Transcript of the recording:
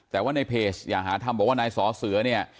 แต่ว่าในเพจอย่าหาทำบอกว่านายสอเสือเนี่ย